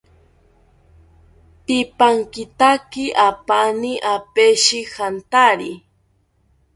Pipankitaki apaani opeshi jantari